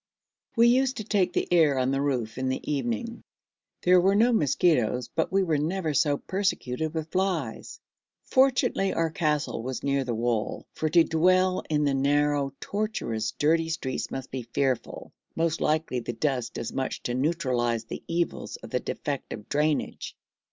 We used to take the air on the roof in the evening; there were no mosquitos, but we were never so persecuted with flies. Fortunately our castle was near the wall, for to dwell in the narrow, tortuous, dirty streets must be fearful most likely the dust does much to neutralise the evils of the defective drainage.